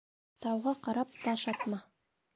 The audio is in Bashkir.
Тауға ҡарап таш атма.